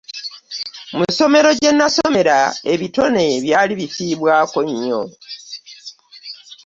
Mu ssomero gye nasomera ebitone byali bifiibwako nnyo.